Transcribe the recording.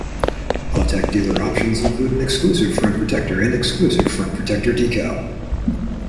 Autech dealer options include an exclusive front protector and exclusive front protector decal.